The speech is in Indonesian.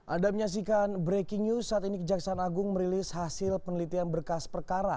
anda menyaksikan breaking news saat ini kejaksaan agung merilis hasil penelitian berkas perkara